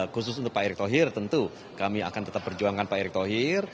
khusus untuk pak erick thohir tentu kami akan tetap perjuangkan pak erick thohir